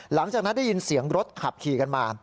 หลังจากนั้นได้ยินเสียงรถขับขี่กันมา